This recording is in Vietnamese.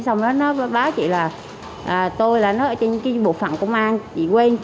xong đó nó báo chị là tôi là nó ở trên cái bộ phận công an chị quên